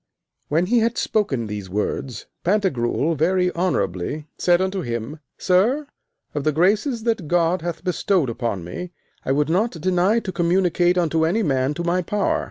When he had spoken these words, Pantagruel very honourably said unto him: Sir, of the graces that God hath bestowed upon me, I would not deny to communicate unto any man to my power.